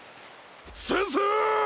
先生！